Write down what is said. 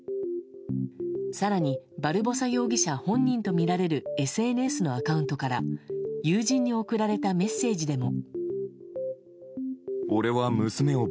更にバルボサ容疑者本人とみられるＳＮＳのアカウントから友人に送られたメッセージでも。